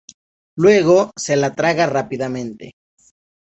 Luego, se la traga rápidamente.